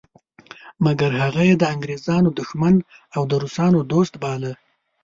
مګر هغه یې د انګریزانو دښمن او د روسانو دوست باله.